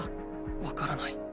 わからない。